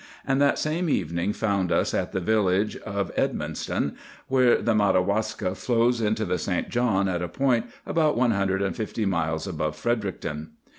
And that same evening found us at the village of Edmundston, where the Madawaska flows into the St. John at a point about one hundred and fifty miles above Fredericton.